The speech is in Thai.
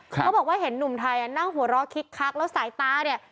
เขาบอกว่าเห็นหนุ่มไทยนั่งหัวเราะคิกคักแล้วสายตาเนี่ย